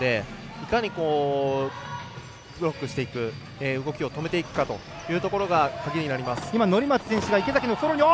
いかに、ブロックしていく動きを止めていくかというのが鍵になります。